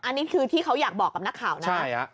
อันนี้คือเพราะที่เค้าอยากบอกกับน้าข่าวนะครับ